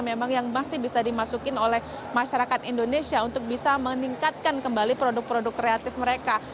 memang yang masih bisa dimasukin oleh masyarakat indonesia untuk bisa meningkatkan kembali produk produk kreatif mereka